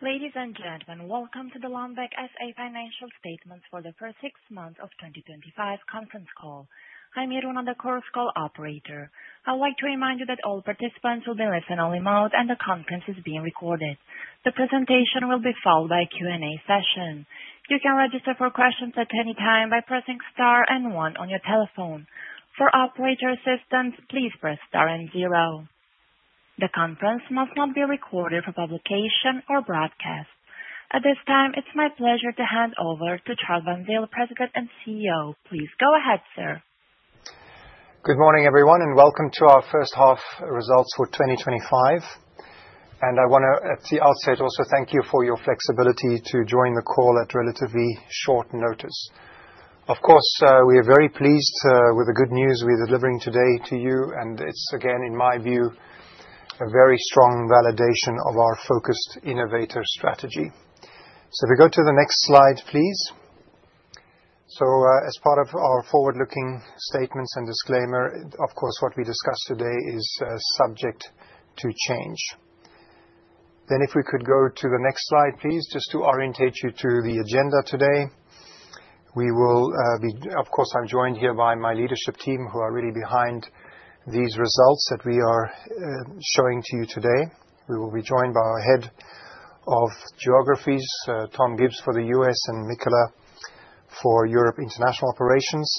Ladies and gentlemen, welcome to the H. Lundbeck A/S financial statements for the first six months of 2025 conference call. I'm Iruna, your call operator. I'd like to remind you that all participants will be in listen-only mode, and the conference is being recorded. The presentation will be followed by a Q&A session. You can register for questions at any time by pressing star and one on your telephone. For operator assistance, please press star and zero. The conference must not be recorded for publication or broadcast. At this time, it's my pleasure to hand over to Charl van Zyl, President and CEO. Please go ahead, sir. Good morning, everyone, and welcome to our first half results for 2025. I wanna at the outset also thank you for your flexibility to join the call at relatively short notice. Of course, we are very pleased with the good news we're delivering today to you, and it's again, in my view, a very strong validation of our focused innovator strategy. If we go to the next slide, please. As part of our forward-looking statements and disclaimer, of course, what we discussed today is subject to change. If we could go to the next slide, please, just to orientate you to the agenda today. I'm joined here by my leadership team who are really behind these results that we are showing to you today. We will be joined by our head of geographies, Tom Gibbs for the U.S., and Michala for Europe International Operations.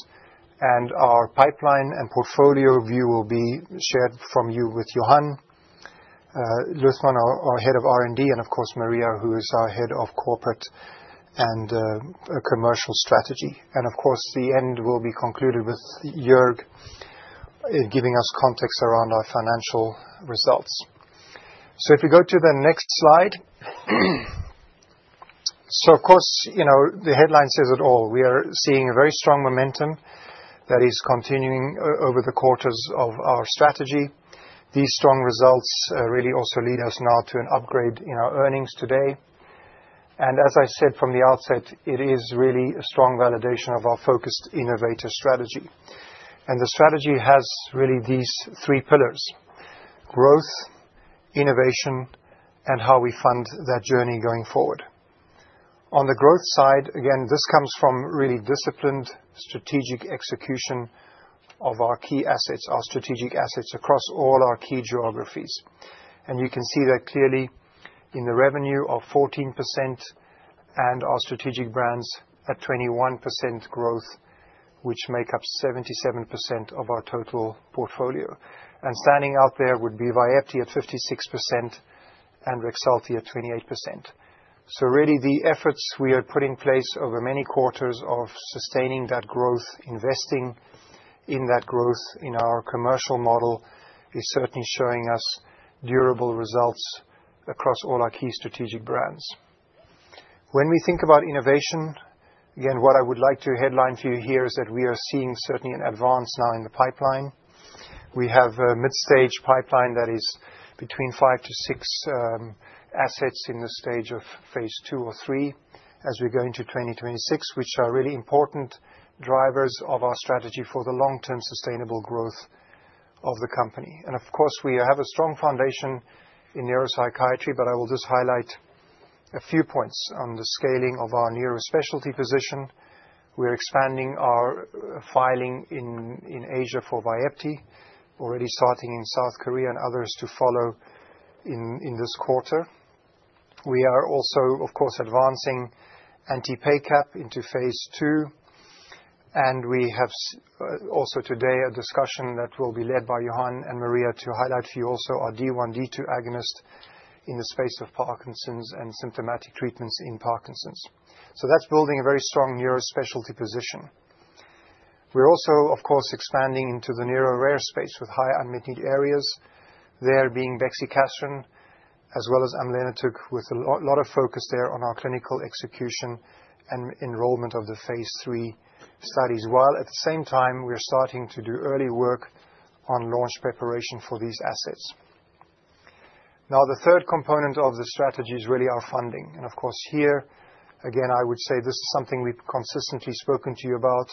Our pipeline and portfolio view will be shared from you with Johan Luthman, our Head of R&D, and of course, Maria, who is our Head of Corporate and Commercial Strategy. Of course, the end will be concluded with Joerg giving us context around our financial results. If you go to the next slide. Of course, you know, the headline says it all. We are seeing a very strong momentum that is continuing over the quarters of our strategy. These strong results really also lead us now to an upgrade in our earnings today. As I said from the outset, it is really a strong validation of our focused innovator strategy. The strategy has really these three pillars, growth, innovation, and how we fund that journey going forward. On the growth side, again, this comes from really disciplined strategic execution of our key assets, our strategic assets across all our key geographies. You can see that clearly in the revenue of 14% and our strategic brands at 21% growth, which make up 77% of our total portfolio. Standing out there would be Vyepti at 56% and Rexulti at 28%. Really the efforts we have put in place over many quarters of sustaining that growth, investing in that growth in our commercial model, is certainly showing us durable results across all our key strategic brands. When we think about innovation, again, what I would like to headline to you here is that we are seeing certainly an advance now in the pipeline. We have a mid-stage pipeline that is between 5-6 assets in this stage of phase II or III as we go into 2026, which are really important drivers of our strategy for the long-term sustainable growth of the company. Of course, we have a strong foundation in neuropsychiatry, but I will just highlight a few points on the scaling of our neuro specialty position. We're expanding our filing in Asia for Vyepti, already starting in South Korea and others to follow in this quarter. We are also, of course, advancing anti-PACAP into phase II, and we have also today a discussion that will be led by Johan and Maria to highlight for you also our D1/D2 agonist in the space of Parkinson's and symptomatic treatments in Parkinson's. That's building a very strong neuro specialty position. We're also, of course, expanding into the neuro rare space with high unmet need areas, there being bexicaserin as well as amlenetug, with a lot of focus there on our clinical execution and enrollment of the phase three studies. While at the same time, we're starting to do early work on launch preparation for these assets. Now, the third component of the strategy is really our funding. Of course, here again, I would say this is something we've consistently spoken to you about,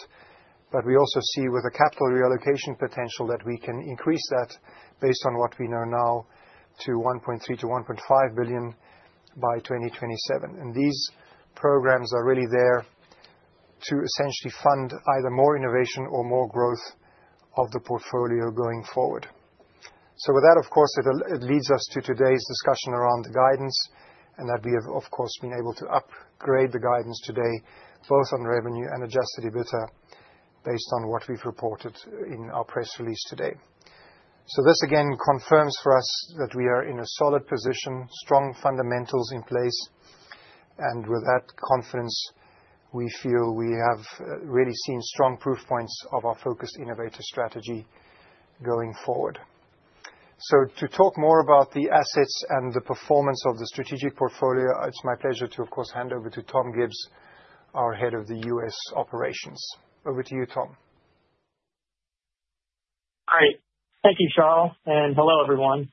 but we also see with a capital reallocation potential that we can increase that based on what we know now to 1.3 billion-1.5 billion by 2027. These programs are really there to essentially fund either more innovation or more growth of the portfolio going forward. With that, of course, it leads us to today's discussion around the guidance and that we have, of course, been able to upgrade the guidance today, both on revenue and Adjusted EBITDA based on what we've reported in our press release today. This again confirms for us that we are in a solid position, strong fundamentals in place. With that confidence, we feel we have really seen strong proof points of our focused innovator strategy going forward. To talk more about the assets and the performance of the strategic portfolio, it's my pleasure to, of course, hand over to Tom Gibbs, our head of the U.S. operations. Over to you, Tom. Hi. Thank you, Charl, and hello, everyone.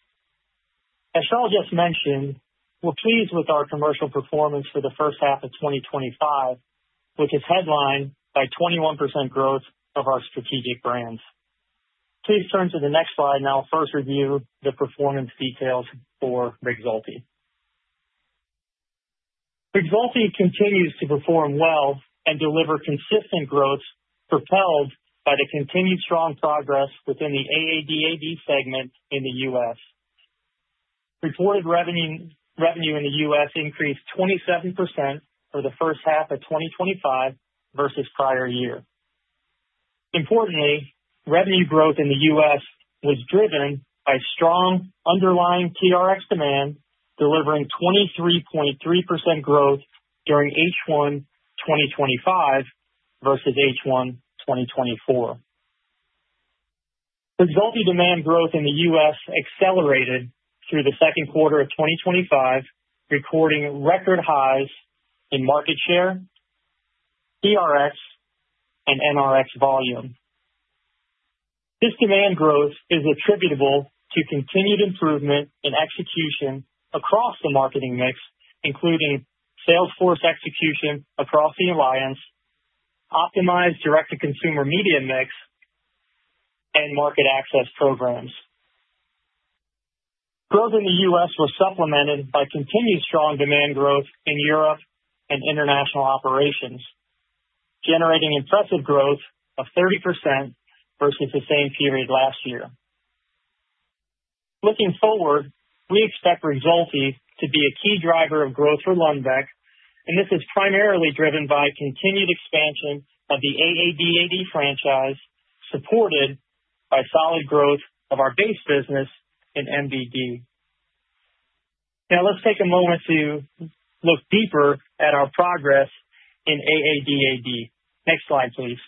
As Charl just mentioned, we're pleased with our commercial performance for the first half of 2025, which is headlined by 21% growth of our strategic brands. Please turn to the next slide, and I'll first review the performance details for Rexulti. Rexulti continues to perform well and deliver consistent growth propelled by the continued strong progress within the AADAD segment in the U.S. Reported revenue in the U.S. increased 27% for the first half of 2025 versus prior year. Importantly, revenue growth in the U.S. was driven by strong underlying TRX demand, delivering 23.3% growth during H1 2025 versus H1 2024. Rexulti demand growth in the U.S. accelerated through the second quarter of 2025, recording record highs in market share, ERX, and NRX volume. This demand growth is attributable to continued improvement in execution across the marketing mix, including sales force execution across the alliance, optimized direct-to-consumer media mix, and market access programs. Growth in the U.S. was supplemented by continued strong demand growth in Europe and international operations, generating impressive growth of 30% versus the same period last year. Looking forward, we expect Rexulti to be a key driver of growth for Lundbeck, and this is primarily driven by continued expansion of the AADAD franchise, supported by solid growth of our base business in MDD. Now let's take a moment to look deeper at our progress in AADAD. Next slide, please.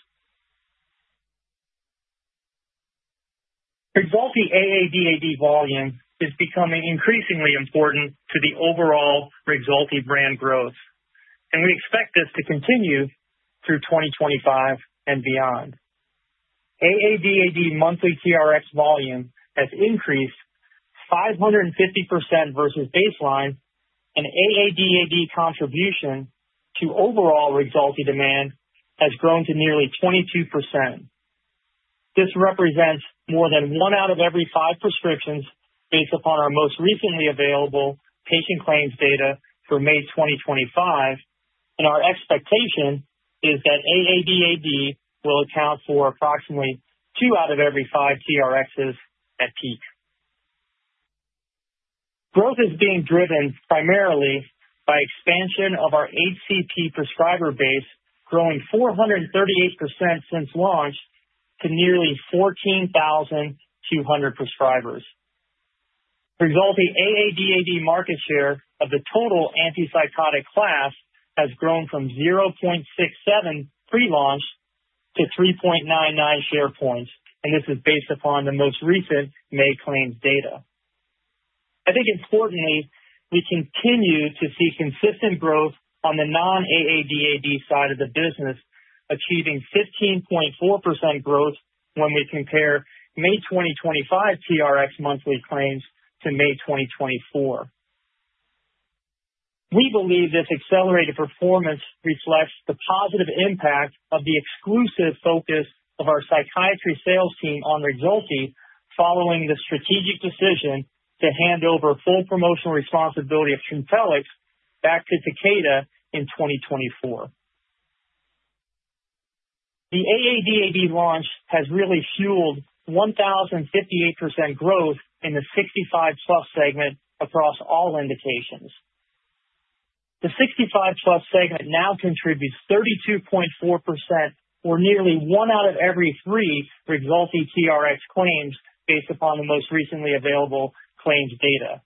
Rexulti AADAD volume is becoming increasingly important to the overall Rexulti brand growth, and we expect this to continue through 2025 and beyond. AADAD monthly TRX volume has increased 550% versus baseline, and AADAD contribution to overall Rexulti demand has grown to nearly 22%. This represents more than one out of every five prescriptions based upon our most recently available patient claims data for May 2025. Our expectation is that AADAD will account for approximately two out of every five TRXs at peak. Growth is being driven primarily by expansion of our HCP prescriber base, growing 438% since launch to nearly 14,200 prescribers. Rexulti AADAD market share of the total antipsychotic class has grown from 0.67 pre-launch to 3.99 share points, and this is based upon the most recent May claims data. I think importantly, we continue to see consistent growth on the non-AADAD side of the business, achieving 15.4% growth when we compare May 2025 TRX monthly claims to May 2024. We believe this accelerated performance reflects the positive impact of the exclusive focus of our psychiatry sales team on Rexulti following the strategic decision to hand over full promotional responsibility of Trintellix back to Takeda in 2024. The AADAD launch has really fueled 1,058% growth in the 65+ segment across all indications. The 65+ segment now contributes 32.4% or nearly one out of every three Rexulti TRX claims based upon the most recently available claims data.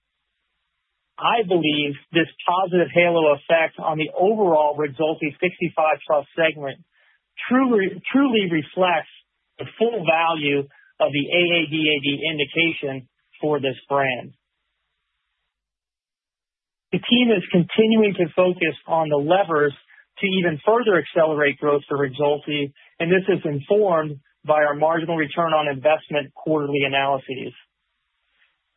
I believe this positive halo effect on the overall Rexulti 65+ segment truly reflects the full value of the AADAD indication for this brand. The team is continuing to focus on the levers to even further accelerate growth for Rexulti, and this is informed by our marginal return on investment quarterly analyses.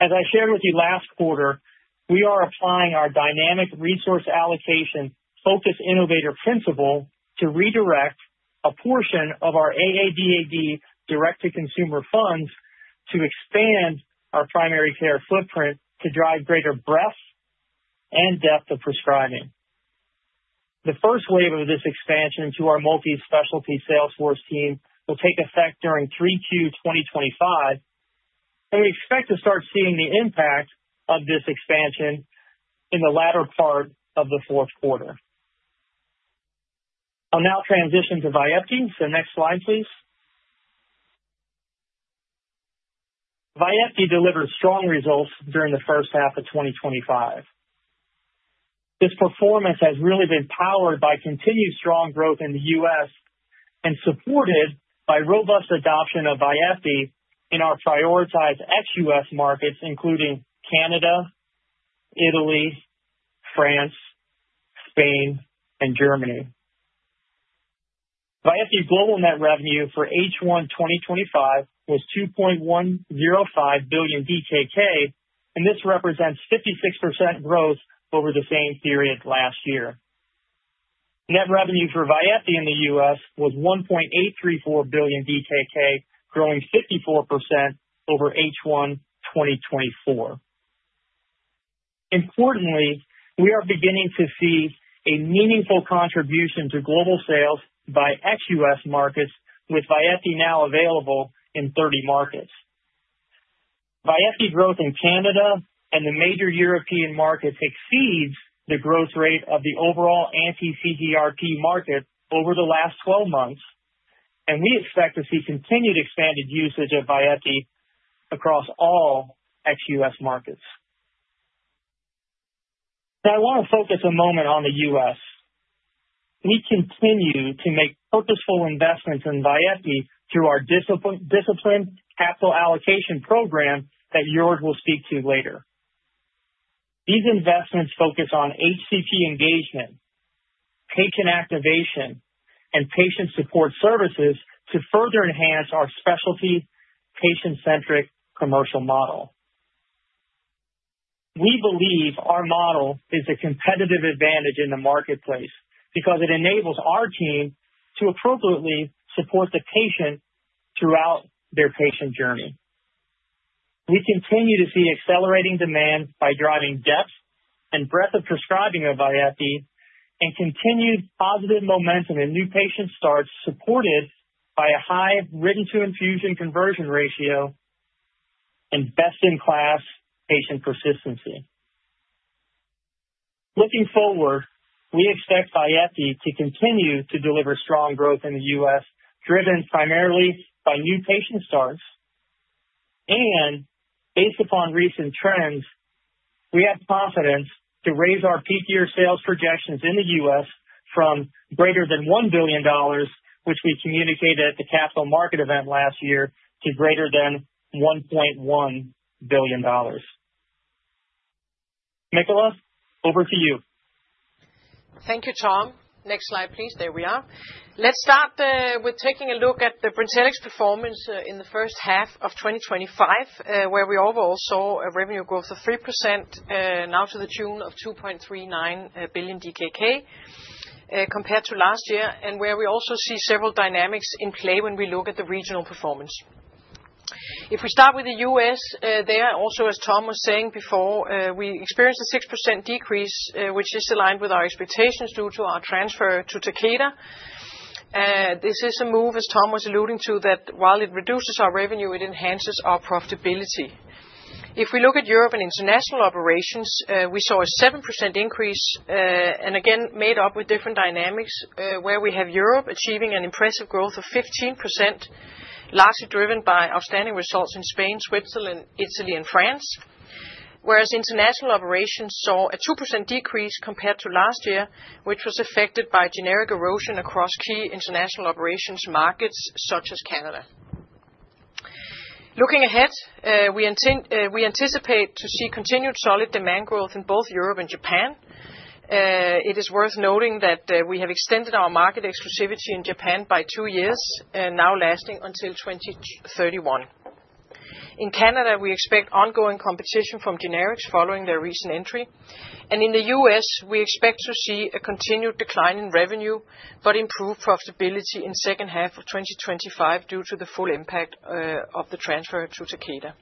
As I shared with you last quarter, we are applying our dynamic resource allocation focus innovator principle to redirect a portion of our AADAD direct-to-consumer funds to expand our primary care footprint to drive greater breadth and depth of prescribing. The first wave of this expansion to our multi-specialty sales force team will take effect during Q3 2025, and we expect to start seeing the impact of this expansion in the latter part of the fourth quarter. I'll now transition to Vyepti. Next slide, please. Vyepti delivered strong results during the first half of 2025. This performance has really been powered by continued strong growth in the U.S. and supported by robust adoption of Vyepti in our prioritized ex-U.S. markets, including Canada, Italy, France, Spain, and Germany. Vyepti global net revenue for H1 2025 was 2.105 billion DKK, and this represents 56% growth over the same period last year. Net revenue for Vyepti in the U.S. was 1.834 billion DKK, growing 54% over H1 2024. Importantly, we are beginning to see a meaningful contribution to global sales by ex-US markets, with Vyepti now available in 30 markets. Vyepti growth in Canada and the major European markets exceeds the growth rate of the overall anti-CGRP market over the last 12 months, and we expect to see continued expanded usage of Vyepti across all ex-U.S. markets. Now I want to focus a moment on the U.S. We continue to make purposeful investments in Vyepti through our disciplined capital allocation program that Joerg will speak to later. These investments focus on HCP engagement, patient activation, and patient support services to further enhance our specialty patient-centric commercial model. We believe our model is a competitive advantage in the marketplace because it enables our team to appropriately support the patient throughout their patient journey. We continue to see accelerating demand by driving depth and breadth of prescribing of Vyepti and continued positive momentum in new patient starts, supported by a high written to infusion conversion ratio and best in class patient persistency. Looking forward, we expect Vyepti to continue to deliver strong growth in the U.S., driven primarily by new patient starts and based upon recent trends, we have confidence to raise our peak year sales projections in the U.S. from greater than $1 billion, which we communicated at the capital market event last year, to greater than $1.1 billion. Michala, over to you. Thank you, Tom. Next slide, please. There we are. Let's start with taking a look at the Trintellix performance in the first half of 2025, where we overall saw a revenue growth of 3%, now to the tune of 2.39 billion DKK, compared to last year, and where we also see several dynamics in play when we look at the regional performance. If we start with the U.S., there also, as Tom was saying before, we experienced a 6% decrease, which is aligned with our expectations due to our transfer to Takeda. This is a move, as Tom was alluding to, that while it reduces our revenue, it enhances our profitability. If we look at Europe and international operations, we saw a 7% increase, and again made up with different dynamics, where we have Europe achieving an impressive growth of 15%, largely driven by outstanding results in Spain, Switzerland, Italy and France. Whereas international operations saw a 2% decrease compared to last year, which was affected by generic erosion across key international operations markets such as Canada. Looking ahead, we anticipate to see continued solid demand growth in both Europe and Japan. It is worth noting that, we have extended our market exclusivity in Japan by two years and now lasting until 2031. In Canada, we expect ongoing competition from generics following their recent entry. In the U.S., we expect to see a continued decline in revenue but improved profitability in the second half of 2025 due to the full impact of the transfer to Takeda.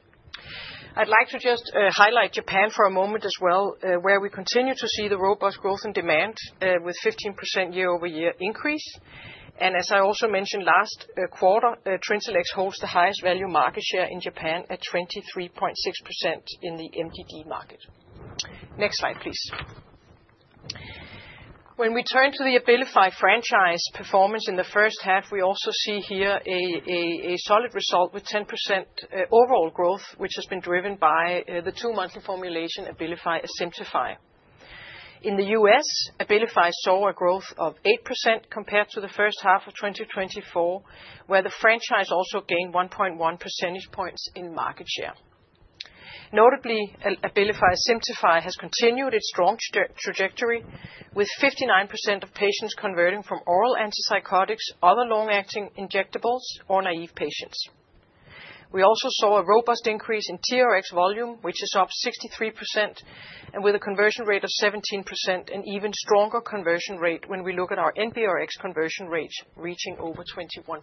I'd like to just highlight Japan for a moment as well, where we continue to see the robust growth in demand with 15% YoY increase. As I also mentioned last quarter, Trintellix holds the highest value market share in Japan at 23.6% in the MDD market. Next slide, please. When we turn to the ABILIFY franchise performance in the first half, we also see here a solid result with 10% overall growth, which has been driven by the two-monthly formulation ABILIFY ASIMTUFII. In the U.S., ABILIFY saw a growth of 8% compared to the first half of 2024, where the franchise also gained 1.1 percentage points in market share. Notably, ABILIFY ASIMTUFII has continued its strong trajectory with 59% of patients converting from oral antipsychotics, other long-acting injectables or naive patients. We also saw a robust increase in TRX volume, which is up 63% and with a conversion rate of 17%. An even stronger conversion rate when we look at our NBRX conversion rates reaching over 21%.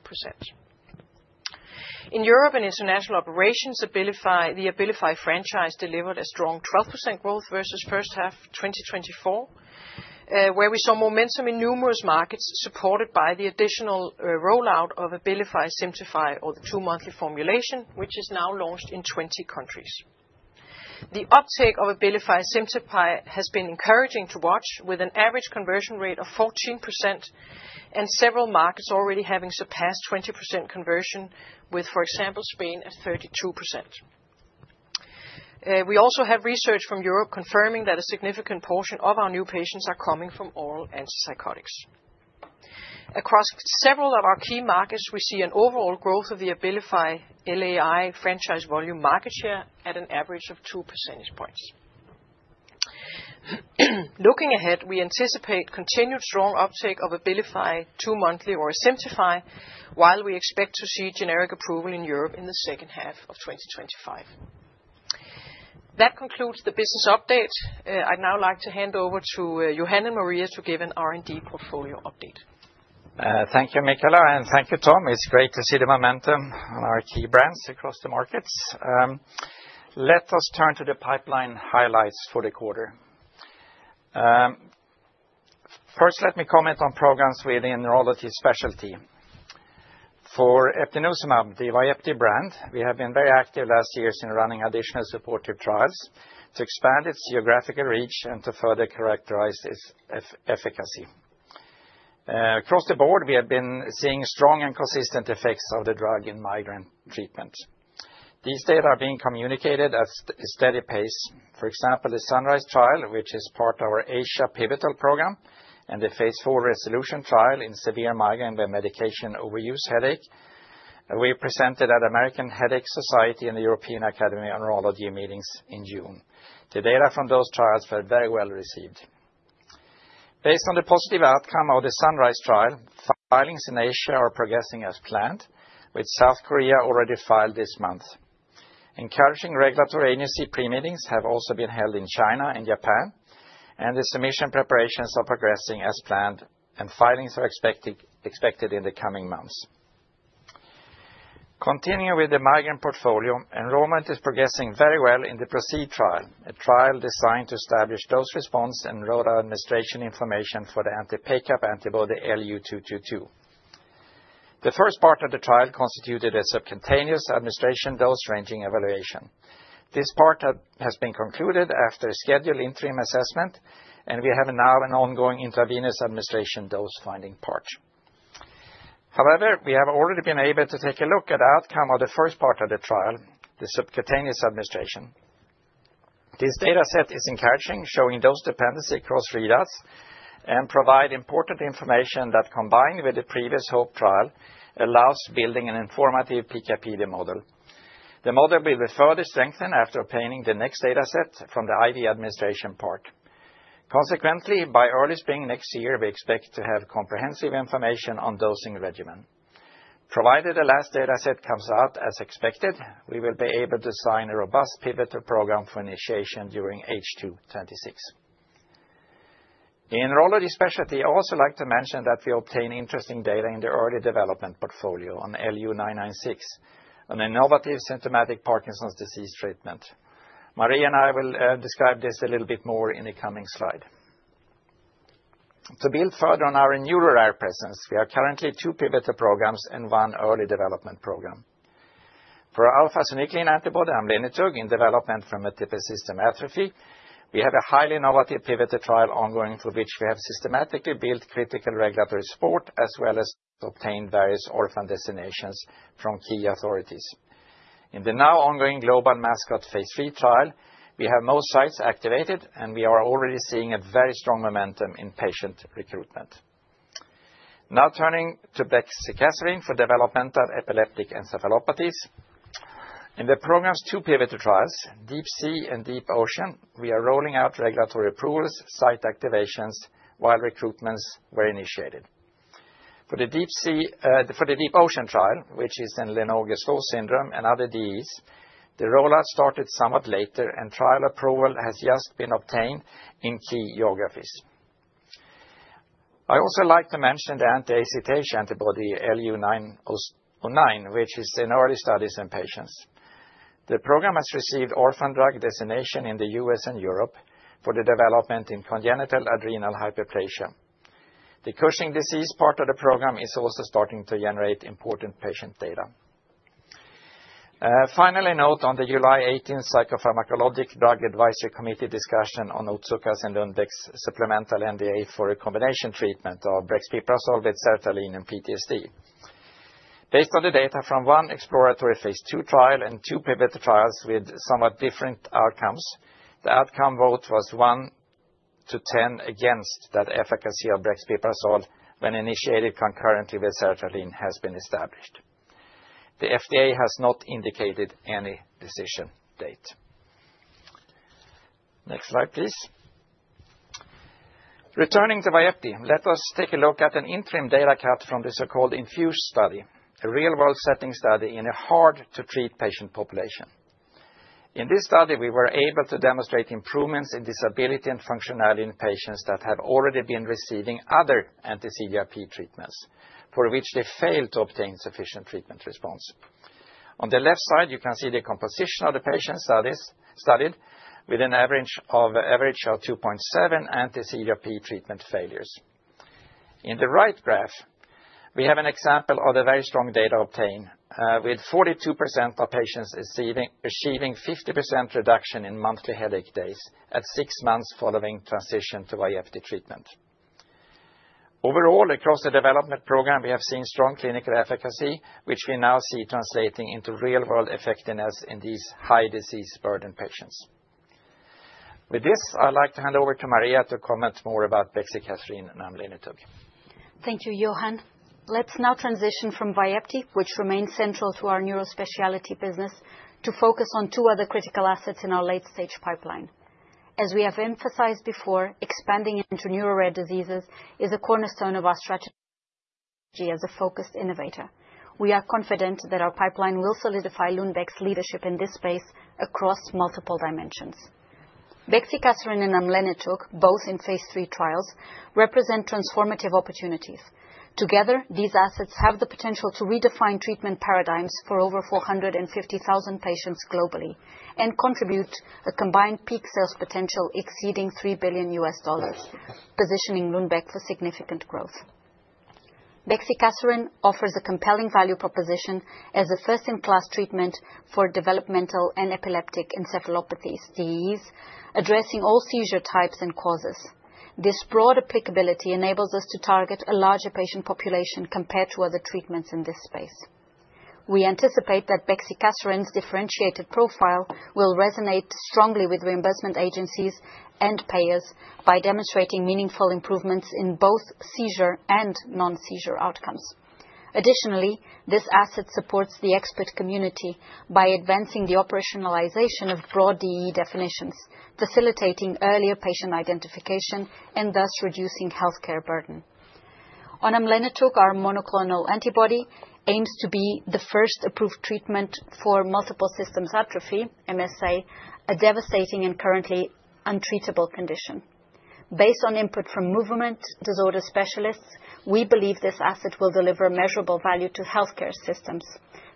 In Europe and international operations, ABILIFY franchise delivered a strong 12% growth versus first half 2024, where we saw momentum in numerous markets supported by the additional rollout of ABILIFY ASIMTUFII or the two-monthly formulation, which is now launched in 20 countries. The uptake of ABILIFY ASIMTUFII has been encouraging to watch with an average conversion rate of 14% and several markets already having surpassed 20% conversion with, for example, Spain at 32%. We also have research from Europe confirming that a significant portion of our new patients are coming from oral antipsychotics. Across several of our key markets, we see an overall growth of the ABILIFY LAI franchise volume market share at an average of 2 percentage points. Looking ahead, we anticipate continued strong uptake of ABILIFY two-monthly or ASIMTUFII, while we expect to see generic approval in Europe in the second half of 2025. That concludes the business update. I'd now like to hand over to Johan and Maria to give an R&D portfolio update. Thank you, Michala, and thank you, Tom. It's great to see the momentum on our key brands across the markets. Let us turn to the pipeline highlights for the quarter. First, let me comment on programs within neurology specialty. For eptinezumab, the Vyepti brand, we have been very active last years in running additional supportive trials to expand its geographical reach and to further characterize its efficacy. Across the board, we have been seeing strong and consistent effects of the drug in migraine treatment. These data are being communicated at a steady pace. For example, the SUNRISE trial, which is part of our Asia pivotal program, and the phase IV RESOLUTION trial in severe migraine and the medication overuse headache. We presented at American Headache Society and the European Academy of Neurology meetings in June. The data from those trials were very well received. Based on the positive outcome of the SUNRISE trial, filings in Asia are progressing as planned, with South Korea already filed this month. Encouraging regulatory agency pre-meetings have also been held in China and Japan, and the submission preparations are progressing as planned and filings are expected in the coming months. Continuing with the migraine portfolio, enrollment is progressing very well in the PROCEED trial, a trial designed to establish dose response and route administration information for the anti-PACAP antibody Lu AG09222. The first part of the trial constituted a subcutaneous administration dose ranging evaluation. This part has been concluded after a scheduled interim assessment, and we have now an ongoing intravenous administration dose-finding part. However, we have already been able to take a look at the outcome of the first part of the trial, the subcutaneous administration. This data set is encouraging, showing dose dependency across readers and provides important information that combined with the previous HOPE trial allows building an informative PK/PD model. The model will be further strengthened after obtaining the next data set from the IV administration part. Consequently, by early spring next year, we expect to have comprehensive information on dosing regimen. Provided the last data set comes out as expected, we will be able to design a robust pivotal program for initiation during H2 2026. In neurology specialty, I also like to mention that we obtain interesting data in the early development portfolio on Lu AF28996, an innovative symptomatic Parkinson's disease treatment. Maria and I will describe this a little bit more in the coming slide. To build further on our neuro rare presence, we have currently two pivotal programs and one early development program. For our alpha-synuclein antibody, amlenetug, in development for multiple system atrophy, we have a highly innovative pivotal trial ongoing for which we have systematically built critical regulatory support as well as obtained various orphan drug designations from key authorities. In the now ongoing global MASCOT phase III trial, we have most sites activated, and we are already seeing a very strong momentum in patient recruitment. Now turning to bexicaserin for developmental epileptic encephalopathies. In the program's two pivotal DEEp SEA and DEEp OCEAN, we are rolling out regulatory approvals, site activations while recruitments were initiated. For DEEp SEA, for the DEEp OCEAN trial, which is in Lennox-Gastaut syndrome and other DEEs, the rollout started somewhat later and trial approval has just been obtained in key geographies. I also like to mention the anti-ACTH antibody Lu AG13909, which is in early studies in patients. The program has received orphan drug designation in the U.S. and Europe for the development in congenital adrenal hyperplasia. The Cushing disease part of the program is also starting to generate important patient data. Final note on the July 18 Psychopharmacologic Drugs Advisory Committee discussion on Otsuka's sNDA for a combination treatment of brexpiprazole with sertraline and PTSD. Based on the data from one exploratory phase II trial and two pivotal trials with somewhat different outcomes, the outcome vote was 1 to 10 against that efficacy of brexpiprazole when initiated concurrently with sertraline has been established. The FDA has not indicated any decision date. Next slide, please. Returning to Vyepti, let us take a look at an interim data cut from the so-called INFUSE study, a real-world setting study in a hard-to-treat patient population. In this study, we were able to demonstrate improvements in disability and functionality in patients that had already been receiving other anti-CGRP treatments, for which they failed to obtain sufficient treatment response. On the left side, you can see the composition of the patient studies studied with an average of 2.7 anti-CGRP treatment failures. In the right graph, we have an example of the very strong data obtained with 42% of patients achieving 50% reduction in monthly headache days at six months following transition to Vyepti treatment. Overall, across the development program, we have seen strong clinical efficacy, which we now see translating into real-world effectiveness in these high disease burden patients. With this, I'd like to hand over to Maria to comment more about bexicaserin and amlenetug. Thank you, Johan. Let's now transition from Vyepti, which remains central to our neurospecialty business, to focus on two other critical assets in our late-stage pipeline. As we have emphasized before, expanding into neuro rare diseases is a cornerstone of our strategy. As a focused innovator. We are confident that our pipeline will solidify Lundbeck's leadership in this space across multiple dimensions. Bexicaserin and amlenetug, both in phase III trials, represent transformative opportunities. Together, these assets have the potential to redefine treatment paradigms for over 450,000 patients globally and contribute a combined peak sales potential exceeding $3 billion, positioning Lundbeck for significant growth. Bexicaserin offers a compelling value proposition as a first-in-class treatment for developmental and epileptic encephalopathies, DEEs, addressing all seizure types and causes. This broad applicability enables us to target a larger patient population compared to other treatments in this space. We anticipate that bexicaserin's differentiated profile will resonate strongly with reimbursement agencies and payers by demonstrating meaningful improvements in both seizure and non-seizure outcomes. Additionally, this asset supports the expert community by advancing the operationalization of broad DEE definitions, facilitating earlier patient identification and thus reducing healthcare burden. On amlenetug, our monoclonal antibody, aims to be the first approved treatment for multiple system atrophy, MSA, a devastating and currently untreatable condition. Based on input from movement disorder specialists, we believe this asset will deliver measurable value to healthcare systems.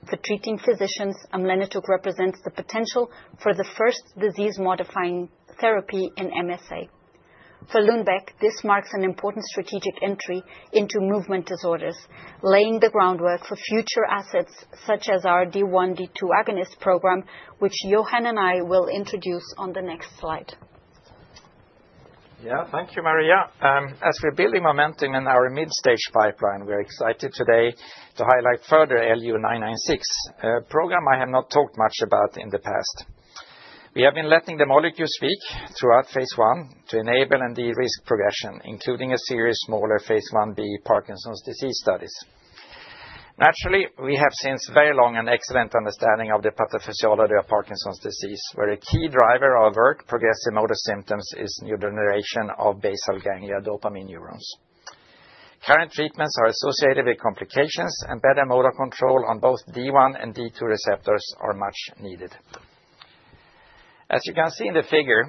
For treating physicians, amlenetug represents the potential for the first disease-modifying therapy in MSA. For Lundbeck, this marks an important strategic entry into movement disorders, laying the groundwork for future assets such as our D1/D2 agonist program, which Johan and I will introduce on the next slide. Yeah. Thank you, Maria. As we're building momentum in our mid-stage pipeline, we're excited today to highlight Lu AF28996, a program I have not talked much about in the past. We have been letting the molecule speak throughout phase I to enable and de-risk progression, including a series of smaller phase I-B Parkinson's disease studies. Naturally, we have for a very long time an excellent understanding of the pathophysiology of Parkinson's disease, where a key driver of the progressive motor symptoms is neurodegeneration of basal ganglia dopamine neurons. Current treatments are associated with complications, and better motor control on both D1 and D2 receptors are much needed. As you can see in the figure,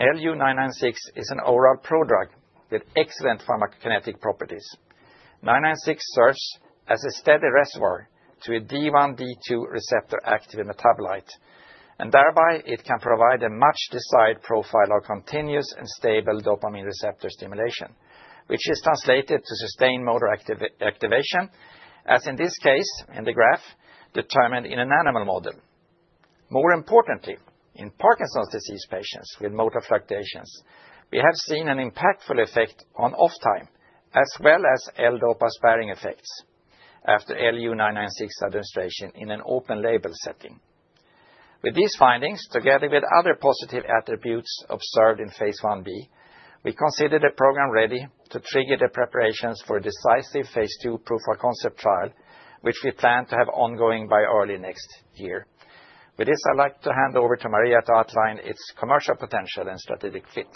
Lu AF28996 is an oral prodrug with excellent pharmacokinetic properties. Lu AF28996 serves as a steady reservoir to a D1/D2 receptor active metabolite, and thereby it can provide a much-desired profile of continuous and stable dopamine receptor stimulation, which is translated to sustained motor activation, as in this case, in the graph, determined in an animal model. More importantly, in Parkinson's disease patients with motor fluctuations, we have seen an impactful effect on off time as well as L-dopa sparing effects after Lu AF28996 administration in an open label setting. With these findings, together with other positive attributes observed in phase Ib, we consider the program ready to trigger the preparations for decisive phase II proof of concept trial, which we plan to have ongoing by early next year. With this, I'd like to hand over to Maria to outline its commercial potential and strategic fit.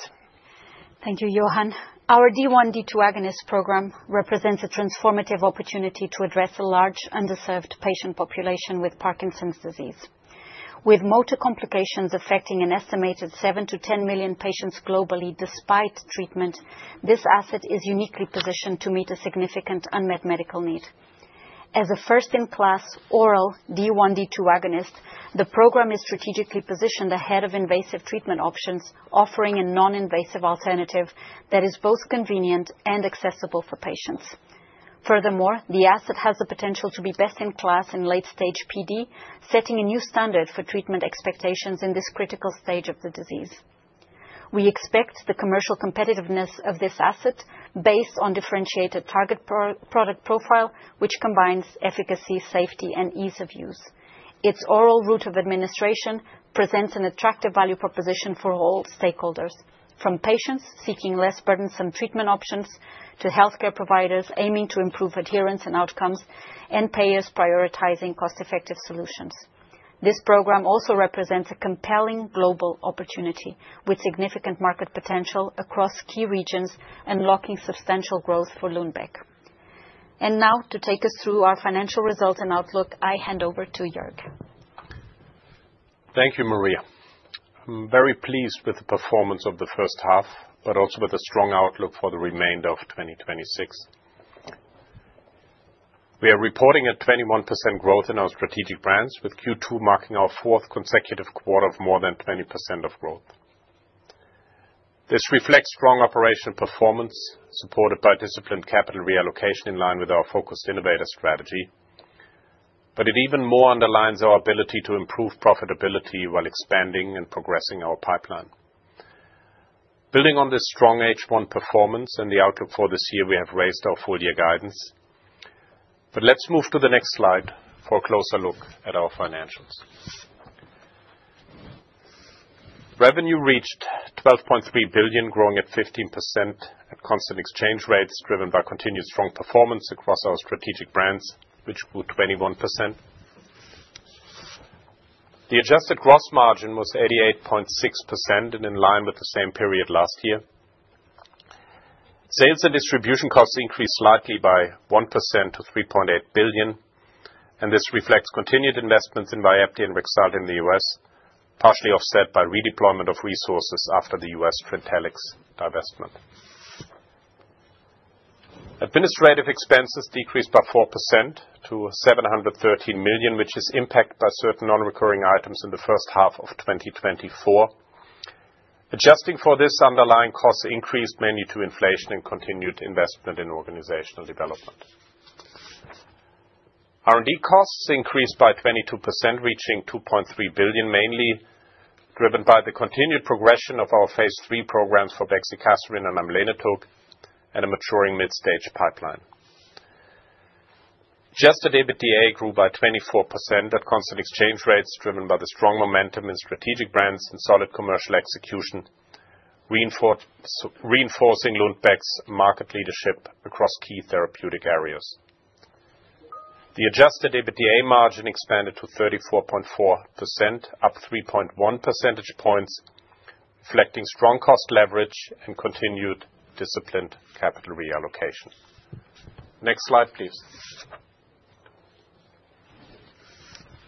Thank you, Johan. Our D1/D2 agonist program represents a transformative opportunity to address a large underserved patient population with Parkinson's disease. With motor complications affecting an estimated 7-10 million patients globally despite treatment, this asset is uniquely positioned to meet a significant unmet medical need. As a first-in-class oral D1/D2 agonist, the program is strategically positioned ahead of invasive treatment options, offering a non-invasive alternative that is both convenient and accessible for patients. Furthermore, the asset has the potential to be best-in-class in late-stage PD, setting a new standard for treatment expectations in this critical stage of the disease. We expect the commercial competitiveness of this asset based on differentiated target product profile, which combines efficacy, safety, and ease of use. Its oral route of administration presents an attractive value proposition for all stakeholders, from patients seeking less burdensome treatment options to healthcare providers aiming to improve adherence and outcomes, and payers prioritizing cost-effective solutions. This program also represents a compelling global opportunity with significant market potential across key regions and unlocking substantial growth for Lundbeck. Now to take us through our financial results and outlook, I hand over to Joerg. Thank you, Maria. I'm very pleased with the performance of the first half but also with a strong outlook for the remainder of 2026. We are reporting a 21% growth in our strategic brands with Q2 marking our fourth consecutive quarter of more than 20% of growth. This reflects strong operational performance supported by disciplined capital reallocation in line with our focused innovator strategy. It even more underlines our ability to improve profitability while expanding and progressing our pipeline. Building on this strong H1 performance and the outlook for this year, we have raised our full year guidance. Let's move to the next slide for a closer look at our financials. Revenue reached 12.3 billion, growing at 15% at constant exchange rates driven by continued strong performance across our strategic brands, which grew 21%. The adjusted gross margin was 88.6% and in line with the same period last year. Sales and distribution costs increased slightly by 1% to 3.8 billion, and this reflects continued investments in Vyepti and Rexulti in the U.S., partially offset by redeployment of resources after the U.S. Trintellix divestment. Administrative expenses decreased by 4% to 713 million, which is impacted by certain non-recurring items in the first half of 2024. Adjusting for this underlying costs increased mainly to inflation and continued investment in organizational development. R&D costs increased by 22%, reaching 2.3 billion, mainly driven by the continued progression of our phase III programs for bexicaserin and amlenetug, and a maturing mid-stage pipeline. Adjusted EBITDA grew by 24% at constant exchange rates, driven by the strong momentum in strategic brands and solid commercial execution, reinforcing Lundbeck's market leadership across key therapeutic areas. The Adjusted EBITDA margin expanded to 34.4%, up 3.1 percentage points, reflecting strong cost leverage and continued disciplined capital reallocation. Next slide, please.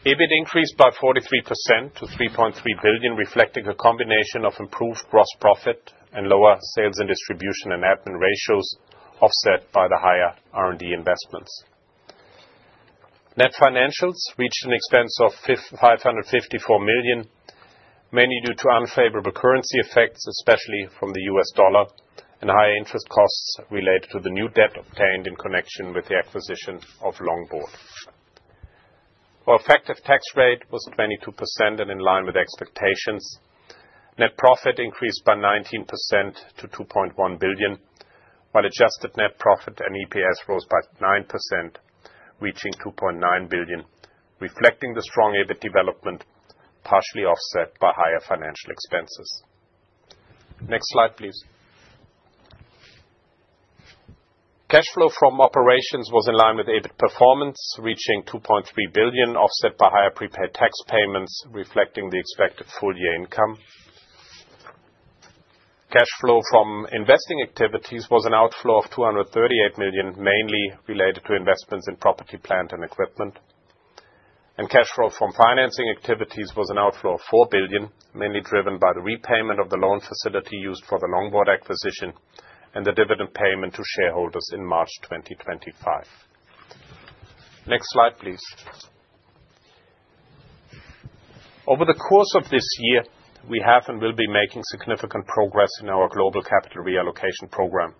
EBIT increased by 43% to 3.3 billion, reflecting a combination of improved gross profit and lower sales and distribution and admin ratios, offset by the higher R&D investments. Net financials reached an expense of 554 million, mainly due to unfavorable currency effects, especially from the U.S. dollar and higher interest costs related to the new debt obtained in connection with the acquisition of Longboard. Our effective tax rate was at 22% and in line with expectations. Net profit increased by 19% to 2.1 billion, while adjusted net profit and EPS rose by 9%, reaching 2.9 billion, reflecting the strong EBIT development, partially offset by higher financial expenses. Next slide, please. Cash flow from operations was in line with EBIT performance, reaching 2.3 billion, offset by higher prepaid tax payments, reflecting the expected full-year income. Cash flow from investing activities was an outflow of 238 million, mainly related to investments in property, plant, and equipment. Cash flow from financing activities was an outflow of 4 billion, mainly driven by the repayment of the loan facility used for the Longboard acquisition and the dividend payment to shareholders in March 2025. Next slide, please. Over the course of this year, we have and will be making significant progress in our global capital reallocation program.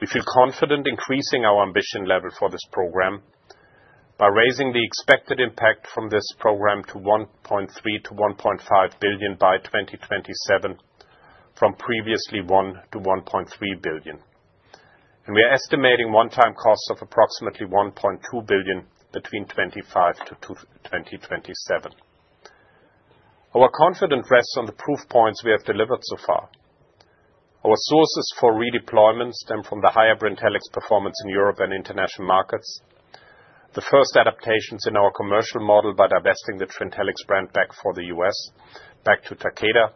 We feel confident increasing our ambition level for this program by raising the expected impact from this program to 1.3 billion-1.5 billion by 2027, from previously 1 billion-1.3 billion. We are estimating one-time costs of approximately 1.2 billion between 2025 to 2027. Our confidence rests on the proof points we have delivered so far. Our sources for redeployments stem from the higher Trintellix performance in Europe and international markets. The first adaptations in our commercial model by divesting the Trintellix brand back for the U.S. back to Takeda,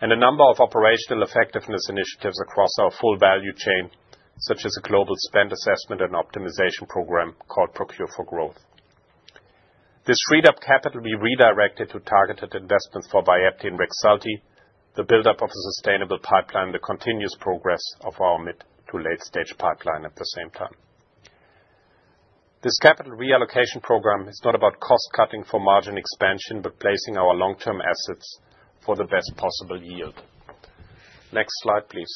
and a number of operational effectiveness initiatives across our full value chain, such as a global spend assessment and optimization program called Procure for Growth. This freed-up capital will be redirected to targeted investments for Vyepti and Rexulti, the buildup of a sustainable pipeline, the continuous progress of our mid to late stage pipeline at the same time. This capital reallocation program is not about cost-cutting for margin expansion, but placing our long-term assets for the best possible yield. Next slide, please.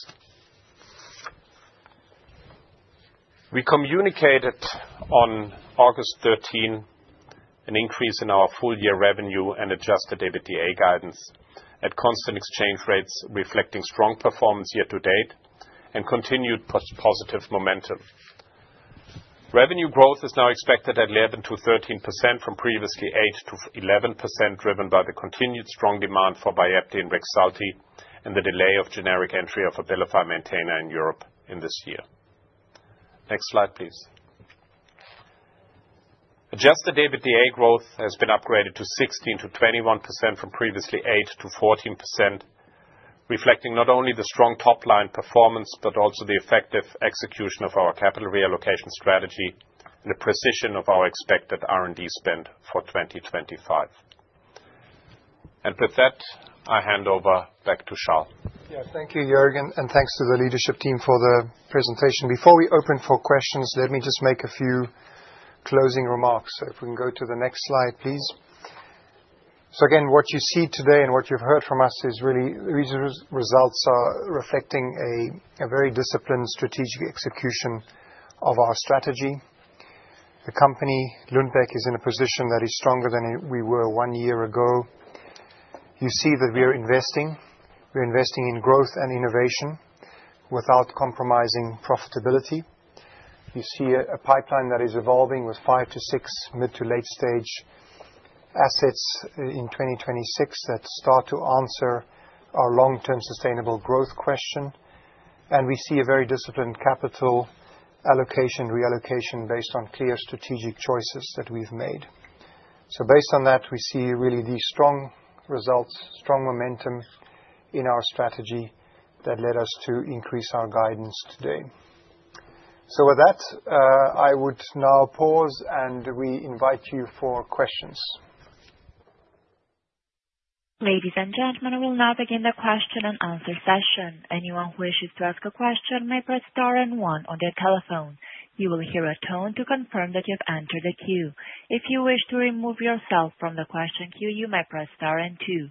We communicated on August 13 an increase in our full-year revenue and Adjusted EBITDA guidance at constant exchange rates, reflecting strong performance year to date and continued positive momentum. Revenue growth is now expected at 11%-13% from previously 8%-11%, driven by the continued strong demand for Vyepti and Rexulti and the delay of generic entry of ABILIFY Maintena in Europe in this year. Next slide, please. Adjusted EBITDA growth has been upgraded to 16%-21% from previously 8%-14%, reflecting not only the strong top-line performance but also the effective execution of our capital reallocation strategy and the precision of our expected R&D spend for 2025. With that, I hand over back to Charl. Yeah. Thank you, Joerg, and thanks to the leadership team for the presentation. Before we open for questions, let me just make a few closing remarks. If we can go to the next slide, please. Again, what you see today and what you've heard from us is really these results are reflecting a very disciplined strategic execution of our strategy. The company, Lundbeck, is in a position that is stronger than we were one year ago. You see that we are investing. We are investing in growth and innovation without compromising profitability. You see a pipeline that is evolving with 5-6 mid to late stage assets in 2026 that start to answer our long-term sustainable growth question. We see a very disciplined capital allocation, reallocation based on clear strategic choices that we've made. Based on that, we see really these strong results, strong momentum in our strategy that led us to increase our guidance today. With that, I would now pause and we invite you for questions. Ladies and gentlemen, we will now begin the question and answer session. Anyone who wishes to ask a question may press star and one on their telephone. You will hear a tone to confirm that you've entered the queue. If you wish to remove yourself from the question queue, you may press star and two.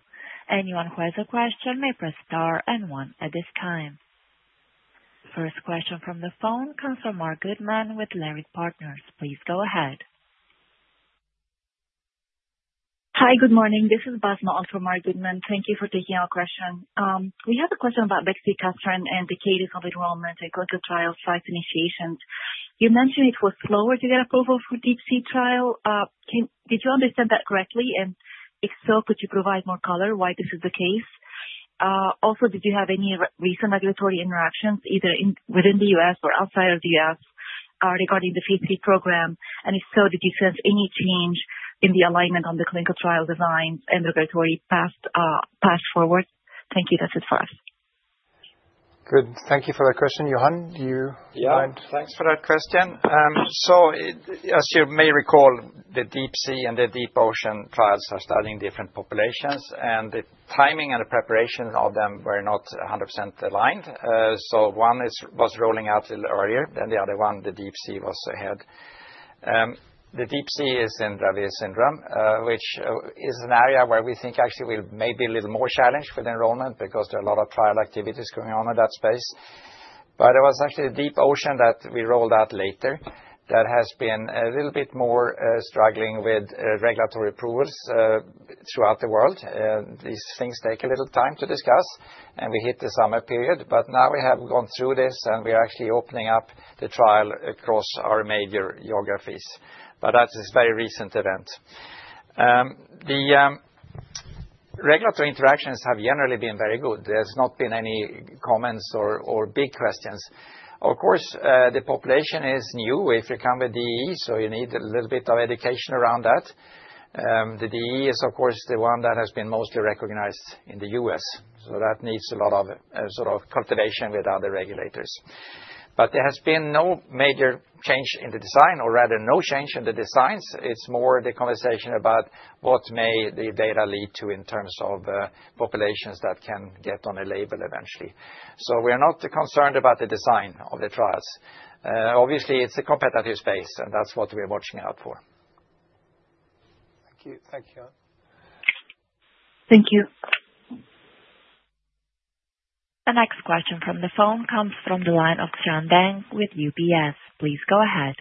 Anyone who has a question may press star and one at this time. First question from the phone comes from Marc Goodman with Leerink Partners. Please go ahead. Hi. Good morning. This is Basma, also Marc Goodman. Thank you for taking our question. We have a question about bexicaserin and the cadence of enrollment and clinical trial site initiations. You mentioned it was slower to get DEEp SEA trial. did you understand that correctly? And if so, could you provide more color why this is the case? Also, did you have any recent regulatory interactions, either within the U.S. or outside of the U.S., DEEp SEA program? and if so, did you sense any change in the alignment on the clinical trial design and regulatory path forward? Thank you. That's it for us. Good. Thank you for that question. Johan, do you mind? Yeah, thanks for that question. As you may DEEp SEA and the DEEp OCEAN trials are studying different populations, and the timing and the preparation of them were not 100% aligned. One was rolling out a little earlier than the other one. DEEp SEA was ahead. DEEp SEA is in Dravet syndrome, which is an area where we think actually we're maybe a little more challenged with enrollment because there are a lot of trial activities going on in that space. It was actually the DEEp OCEAN that we rolled out later that has been a little bit more struggling with regulatory approvals throughout the world. These things take a little time to discuss, and we hit the summer period. Now we have gone through this, and we are actually opening up the trial across our major geographies. That's this very recent event. Regulatory interactions have generally been very good. There's not been any comments or big questions. Of course, the population is new if you count the DEE, so you need a little bit of education around that. The DEE is of course the one that has been mostly recognized in the U.S., so that needs a lot of sort of cultivation with other regulators. There has been no major change in the design or rather no change in the designs. It's more the conversation about what may the data lead to in terms of populations that can get on a label eventually. We are not concerned about the design of the trials. Obviously it's a competitive space and that's what we're watching out for. Thank you. Thank you. Thank you. The next question from the phone comes from the line of Xian Deng with UBS. Please go ahead.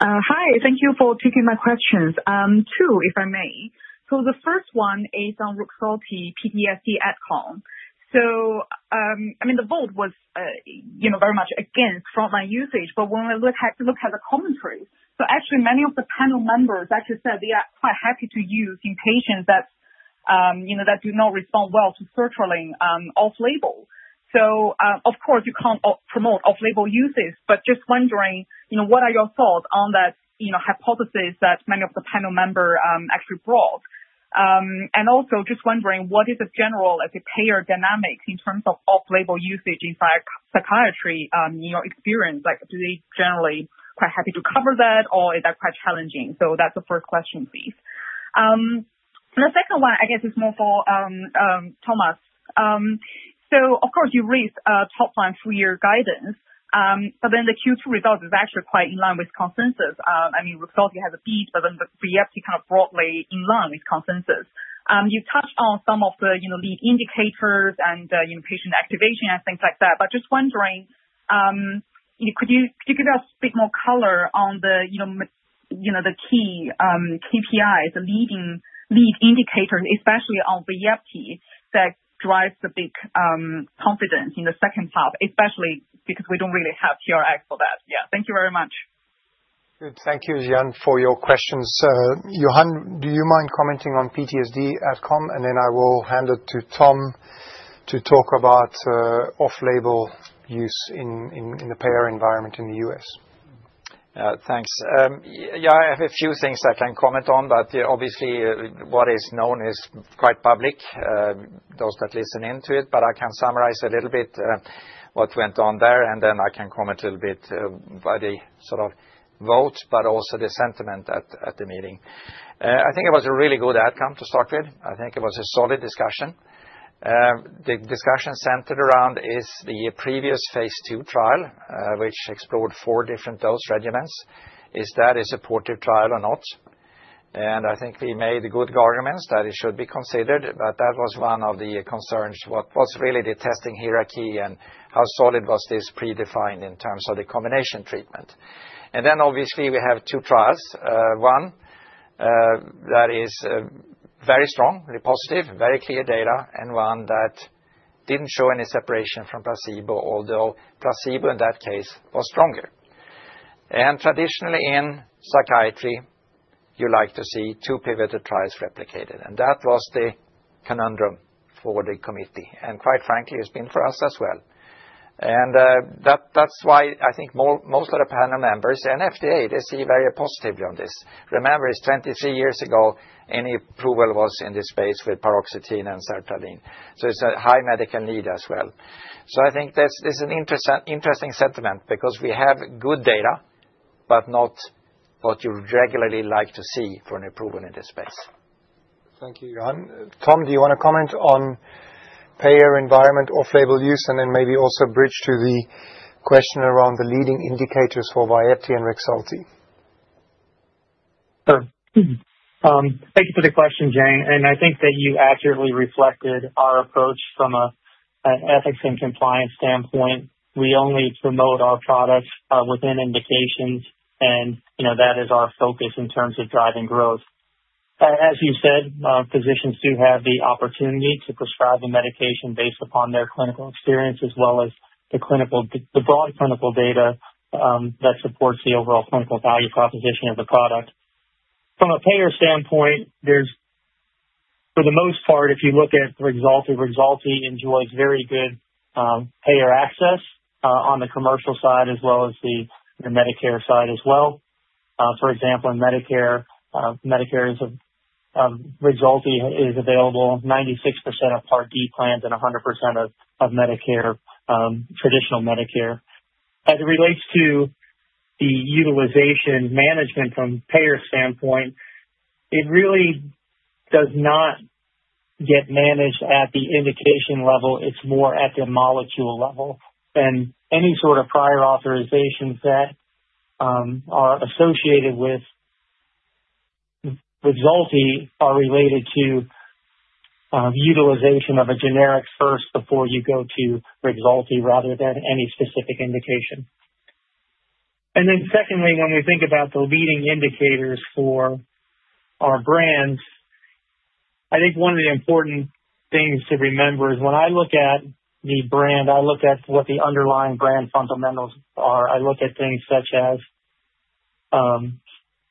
Hi. Thank you for taking my questions. Two, if I may. The first one is on Rexulti PTSD outcome. I mean, the vote was, you know, very much against from my usage. But when I look at the commentary, actually many of the panel members actually said they are quite happy to use in patients that, you know, that do not respond well to sertraline, off-label. Of course you can't promote off-label uses, but just wondering, you know, what are your thoughts on that, you know, hypothesis that many of the panel members actually brought. Also just wondering what is the general, like, payer dynamics in terms of off-label usage in psychiatry, in your experience? Like, do they generally quite happy to cover that or is that quite challenging? That's the first question, please. The second one I guess is more for Thomas. Of course you raised top line full year guidance, but then the Q2 result is actually quite in line with consensus. I mean, Rexulti has a piece, but then the Trintellix broadly in line with consensus. You've touched on some of the, you know, lead indicators and, you know, patient activation and things like that. But just wondering, could you just speak more color on the, you know, the key KPIs, the lead indicators especially on Trintellix that drives the big confidence in the second half, especially because we don't really have NRX for that. Yeah. Thank you very much. Good. Thank you, Xian, for your questions. Johan, do you mind commenting on PTSD outcome? I will hand it to Tom to talk about off-label use in the payer environment in the U.S. Thanks. Yeah, I have a few things I can comment on, but, yeah, obviously what is known is quite public, those that listen into it. I can summarize a little bit, what went on there, and then I can comment a little bit by the sort of vote but also the sentiment at the meeting. I think it was a really good outcome to start with. I think it was a solid discussion. The discussion centered around is the previous phase II trial, which explored 4 different dose regimens. Is that a supportive trial or not? I think we made good arguments that it should be considered, but that was one of the concerns. What was really the testing hierarchy and how solid was this predefined in terms of the combination treatment? Obviously we have 2 trials. One that is very strong, very positive, very clear data, and one that didn't show any separation from placebo, although placebo in that case was stronger. Traditionally in psychiatry, you like to see two pivotal trials replicated, and that was the conundrum for the committee, and quite frankly, it's been for us as well. That's why I think most of the panel members and FDA, they see very positively on this. Remember, it's 23 years ago, any approval was in this space with paroxetine and sertraline. It's a high medical need as well. I think this is an interesting sentiment because we have good data, but not what you regularly like to see for an approval in this space. Thank you, Johan. Tom, do you wanna comment on payer environment off-label use and then maybe also bridge to the question around the leading indicators for Vyepti and Rexulti? Sure. Thank you for the question, Xian Deng. I think that you accurately reflected our approach from an ethics and compliance standpoint. We only promote our products within indications and, you know, that is our focus in terms of driving growth. As you said, physicians do have the opportunity to prescribe a medication based upon their clinical experience as well as the broad clinical data that supports the overall clinical value proposition of the product. From a payer standpoint, there's for the most part, if you look at Rexulti enjoys very good payer access on the commercial side as well as the Medicare side as well. For example, in Medicare, Rexulti is available 96% of Part D plans and 100% of traditional Medicare. As it relates to the utilization management from payer standpoint, it really does not get managed at the indication level. It's more at the molecule level. Any sort of prior authorizations that are associated with Rexulti are related to utilization of a generic first before you go to Rexulti rather than any specific indication. Then secondly, when we think about the leading indicators for our brands, I think one of the important things to remember is when I look at the brand, I look at what the underlying brand fundamentals are. I look at things such as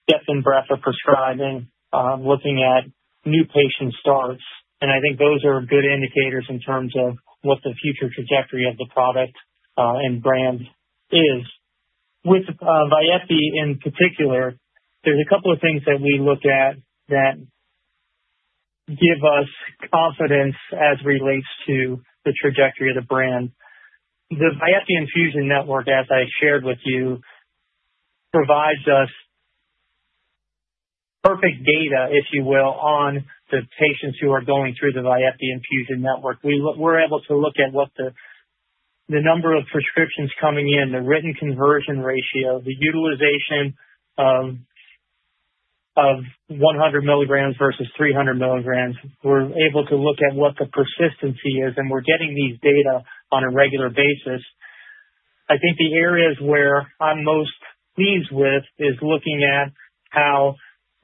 depth and breadth of prescribing, looking at new patient starts. I think those are good indicators in terms of what the future trajectory of the product and brand is. With Vyepti in particular, there's a couple of things that we look at that give us confidence as it relates to the trajectory of the brand. The Vyepti Infusion Network, as I shared with you, provides us perfect data, if you will, on the patients who are going through the Vyepti Infusion Network. We're able to look at what the number of prescriptions coming in, the written conversion ratio, the utilization of 100 milligrams versus 300 milligrams. We're able to look at what the persistency is, and we're getting these data on a regular basis. I think the areas where I'm most pleased with is looking at how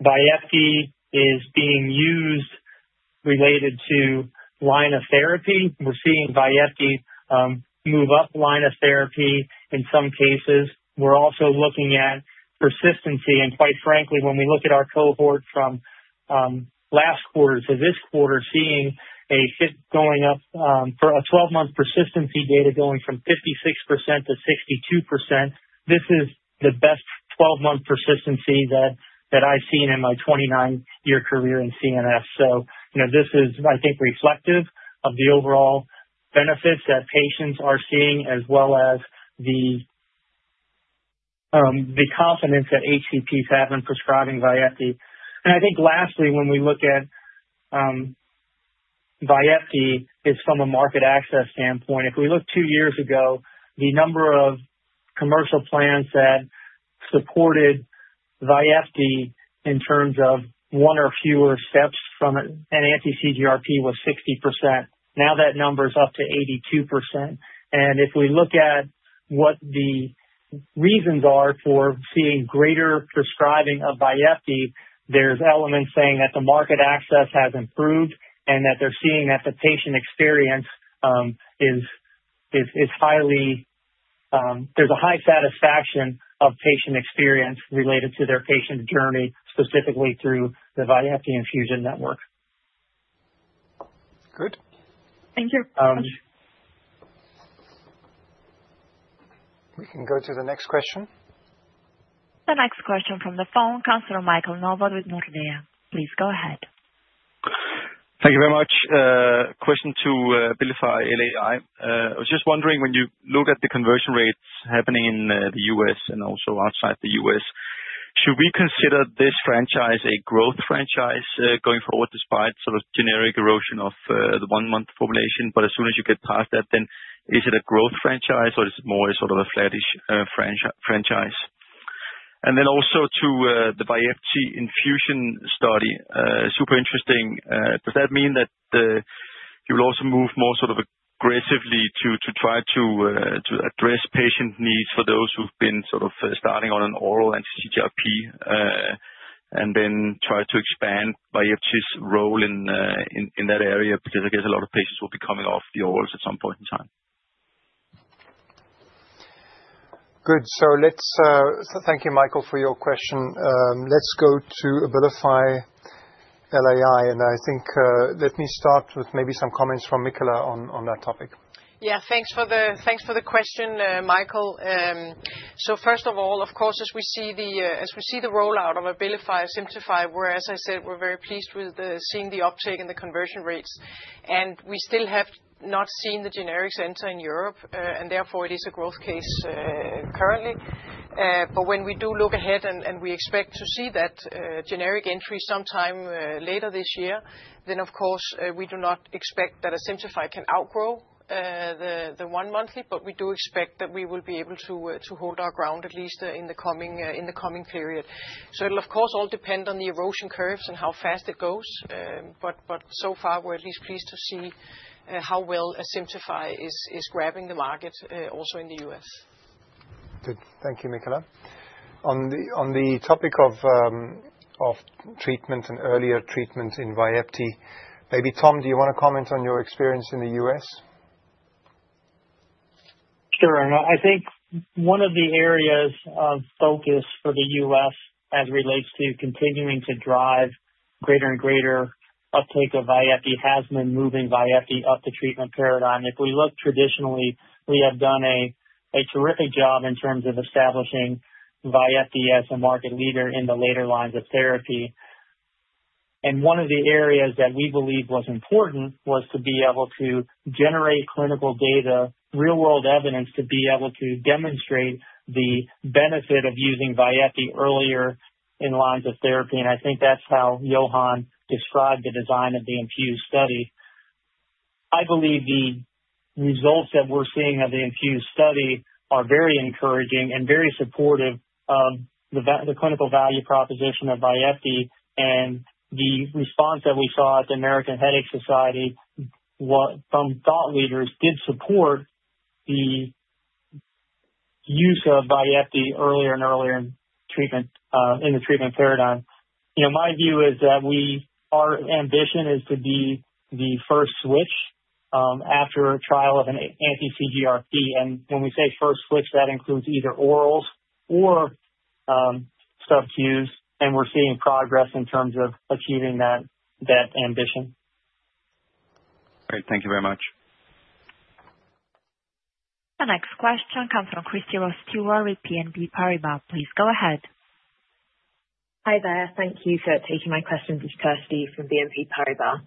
Vyepti is being used related to line of therapy. We're seeing Vyepti move up line of therapy in some cases. We're also looking at persistency. Quite frankly, when we look at our cohort from last quarter to this quarter, seeing NRx going up for a 12-month persistency data going from 56% to 62%, this is the best twelve-month persistency that I've seen in my 29-year career in CNS. You know, this is, I think, reflective of the overall benefits that patients are seeing as well as the confidence that HCPs have in prescribing Vyepti. I think lastly, when we look at Vyepti is from a market access standpoint. If we look two years ago, the number of commercial plans that supported Vyepti in terms of one or fewer steps from an anti-CGRP was 60%. Now that number is up to 82%. If we look at what the reasons are for seeing greater prescribing of Vyepti, there's elements saying that the market access has improved and that they're seeing that the patient experience is highly. There's a high satisfaction of patient experience related to their patient journey, specifically through the Vyepti Infusion Network. Good. Thank you. We can go to the next question. The next question from the phone comes from Michael Novod with Nordea. Please go ahead. Thank you very much. Question to ABILIFY LAI. I was just wondering when you look at the conversion rates happening in the U.S. and also outside the U.S., should we consider this franchise a growth franchise going forward despite sort of generic erosion of the one-month formulation? As soon as you get past that, then is it a growth franchise or is it more sort of a flattish franchise? Then also to the Vyepti infusion study, super interesting. Does that mean that you will also move more sort of aggressively to try to address patient needs for those who've been sort of starting on an oral anti-CGRP. Try to expand Vyepti's role in that area because I guess a lot of patients will be coming off the orals at some point in time. Good. Thank you, Michael, for your question. Let's go to ABILIFY LAI, and I think, let me start with maybe some comments from Michala on that topic. Yeah. Thanks for the question, Michael. First of all, of course, as we see the rollout of ABILIFY ASIMTUFII, where, as I said, we're very pleased with seeing the uptick in the conversion rates. We still have not seen the generics enter in Europe, and therefore it is a growth case currently. But when we do look ahead and we expect to see that generic entry sometime later this year, then of course we do not expect that ABILIFY ASIMTUFII can outgrow the one monthly. But we do expect that we will be able to hold our ground at least in the coming period. It'll of course all depend on the erosion curves and how fast it goes. So far we're at least pleased to see how well ABILIFY is grabbing the market, also in the U.S. Good. Thank you, Michala. On the topic of treatment and earlier treatment in Vyepti, maybe Tom, do you wanna comment on your experience in the U.S.? Sure. I think one of the areas of focus for the U.S. as relates to continuing to drive greater and greater uptake of Vyepti has been moving Vyepti up the treatment paradigm. If we look traditionally, we have done a terrific job in terms of establishing Vyepti as a market leader in the later lines of therapy. One of the areas that we believe was important was to be able to generate clinical data, real world evidence, to be able to demonstrate the benefit of using Vyepti earlier in lines of therapy, and I think that's how Johan described the design of the INFUSE study. I believe the results that we're seeing of the INFUSE study are very encouraging and very supportive of the clinical value proposition of Vyepti, and the response that we saw at the American Headache Society, what some thought leaders did support the use of Vyepti earlier and earlier in treatment in the treatment paradigm. You know, my view is that our ambition is to be the first switch after a trial of an anti-CGRP. When we say first switch, that includes either orals or subQs, and we're seeing progress in terms of achieving that ambition. Great. Thank you very much. The next question comes from Kirsty Ross-Stewart with BNP Paribas. Please go ahead. Hi there. Thank you for taking my questions. It's Kirsty from BNP Paribas.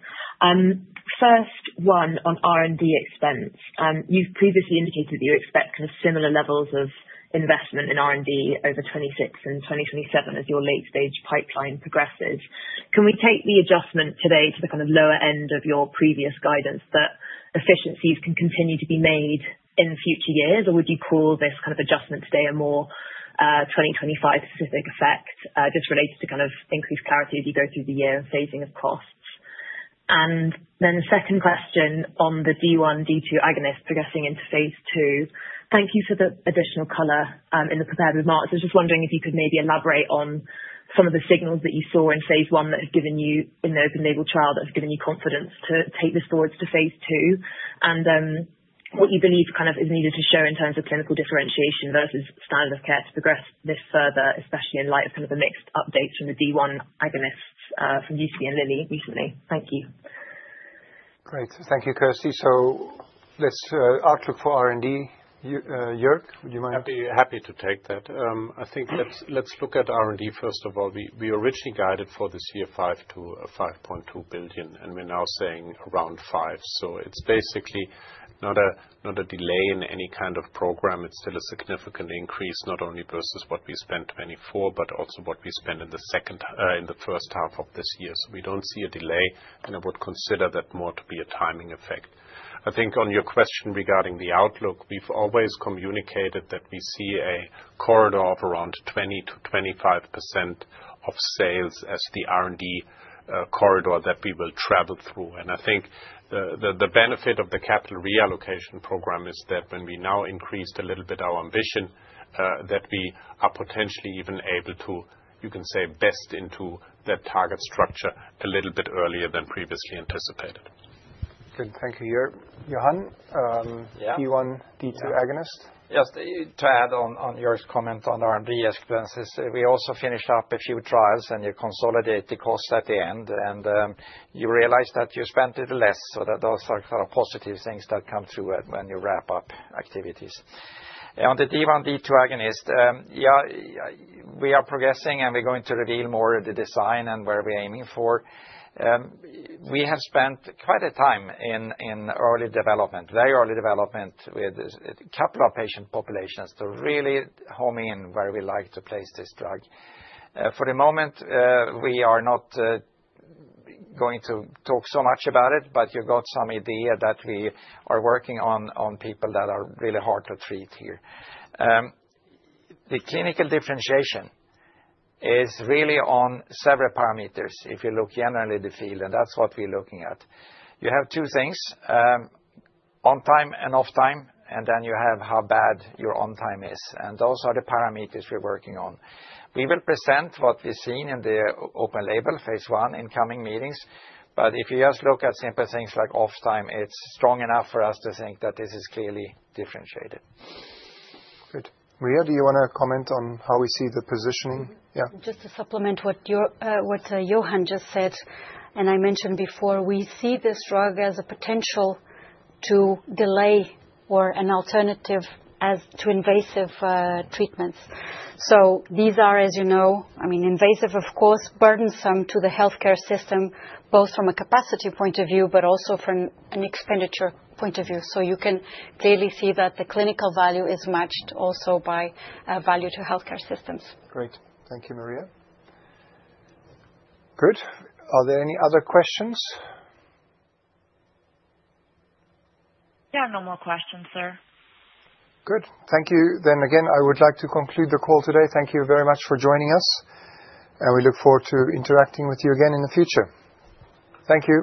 First one on R&D expense. You've previously indicated that you expect kind of similar levels of investment in R&D over 2026 and 2027 as your late stage pipeline progresses. Can we take the adjustment today to the kind of lower end of your previous guidance that efficiencies can continue to be made in future years, or would you call this kind of adjustment today a more, 2025 specific effect, just related to kind of increased clarity as you go through the year, phasing of costs? Second question on the D1/D2 agonist progressing into phase II. Thank you for the additional color in the prepared remarks. I was just wondering if you could maybe elaborate on some of the signals that you saw in phase I that have given you confidence in the open label trial to take this forward to phase II. What you believe kind of is needed to show in terms of clinical differentiation versus standard of care to progress this further, especially in light of some of the mixed updates from the D1 agonists from UCB and Lilly recently. Thank you. Great. Thank you, Kirsty. This outlook for R&D, Joerg, would you mind? Happy to take that. I think let's look at R&D first of all. We originally guided for this year 5 billion-5.2 billion, and we're now saying around 5 billion. It's basically not a delay in any kind of program. It's still a significant increase, not only versus what we spent 2024, but also what we spent in the first half of this year. We don't see a delay, and I would consider that more to be a timing effect. I think on your question regarding the outlook, we've always communicated that we see a corridor of around 20%-25% of sales as the R&D corridor that we will travel through. I think the benefit of the capital reallocation program is that when we now increased a little bit our ambition, that we are potentially even able to, you can say, invest into that target structure a little bit earlier than previously anticipated. Good. Thank you, Joerg. Johan? Yeah. D1/D2 agonist. Yes. To add on Joerg's comment on R&D expenses, we also finished up a few trials and you consolidate the costs at the end, and you realize that you spent it less, so that those are kind of positive things that come through it when you wrap up activities. On the D1/D2 agonist, yeah, we are progressing and we're going to reveal more of the design and where we're aiming for. We have spent quite a time in early development, very early development with couple of patient populations to really home in where we like to place this drug. For the moment, we are not going to talk so much about it, but you got some idea that we are working on people that are really hard to treat here. The clinical differentiation is really on several parameters. If you look generally the field, and that's what we're looking at. You have two things, on time and off time, and then you have how bad your on time is, and those are the parameters we're working on. We will present what we've seen in the open-label phase I in coming meetings, but if you just look at simple things like off time, it's strong enough for us to think that this is clearly differentiated. Good. Maria, do you wanna comment on how we see the positioning? Yeah. Just to supplement what Johan just said, and I mentioned before, we see this drug as a potential to delay or an alternative as to invasive treatments. These are, as you know, I mean, invasive, of course, burdensome to the healthcare system, both from a capacity point of view, but also from an expenditure point of view. You can clearly see that the clinical value is matched also by a value to healthcare systems. Great. Thank you, Maria. Good. Are there any other questions? Yeah. No more questions, sir. Good. Thank you. Again, I would like to conclude the call today. Thank you very much for joining us, and we look forward to interacting with you again in the future. Thank you.